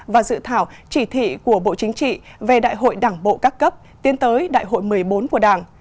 và dự thảo chỉ thị của bộ chính trị về đại hội đảng bộ các cấp tiến tới đại hội một mươi bốn của đảng